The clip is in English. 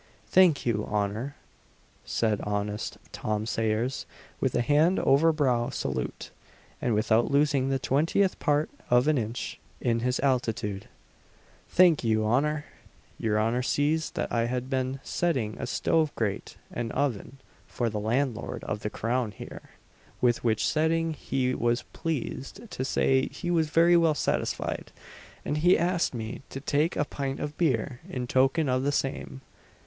"Thank your honour," said honest Tom Sayers with a hand over brow salute, and without losing the twentieth part of an inch in his altitude "thank your honour! Your honour sees that I had been setting a stove grate and oven, for the landlord of the Crown here; with which setting he was pleased to say he was very well satisfied: and he asked me to take a pint of beer in token of the same.